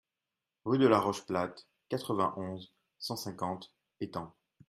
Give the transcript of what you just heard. Rue de la Roche Plate, quatre-vingt-onze, cent cinquante Étampes